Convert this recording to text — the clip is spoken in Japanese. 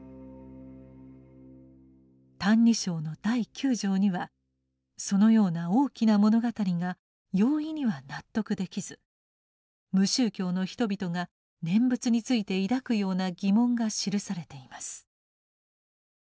「歎異抄」の第九条にはそのような「大きな物語」が容易には納得できず無宗教の人々が念仏について抱くような疑問が記されています。